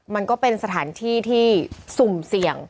มันก็เป็นสถานที่ที่สุ่มเสี่ยง